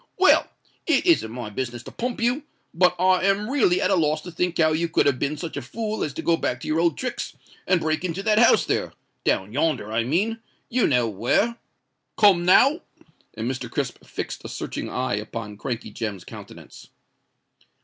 "Well—it isn't my business to pump you; but I am really at a loss to think how you could have been such a fool as to go back to your old tricks and break into that house there—down yonder, I mean—you know where? Come now?" And Mr. Crisp fixed a searching eye upon Crankey Jem's countenance.